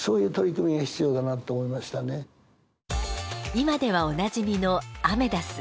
今ではおなじみのアメダス。